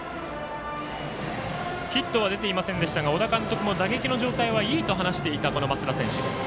ヒットは出ていませんでしたが小田監督も打撃の状態はいいと話していた増田選手。